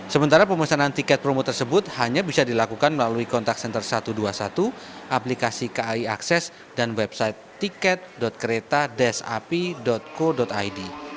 sementara pemesanan tiket promo tersebut hanya bisa dilakukan melalui kontak senter satu ratus dua puluh satu aplikasi kai akses dan website tiket kereta api co id